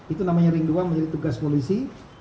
itu namanya ring dua menjadi tugas polisi